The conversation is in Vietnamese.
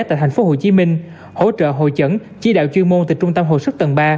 tại tp hcm hỗ trợ hội chẩn chi đạo chuyên môn từ trung tâm hồi sức tầng ba